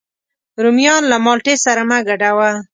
رومیان له مالټې سره مه ګډوه